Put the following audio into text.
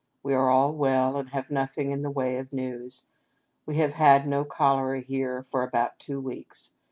We are all well, and have nothing in the way of news. We have had no cholera here for about two weeks.